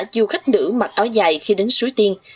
chùa khách nữ mặc áo dài khi đến sú tiên